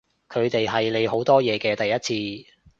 佢哋係你好多嘢嘅第一次